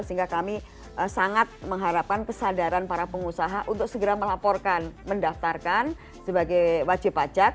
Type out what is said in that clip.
sehingga kami sangat mengharapkan kesadaran para pengusaha untuk segera melaporkan mendaftarkan sebagai wajib pajak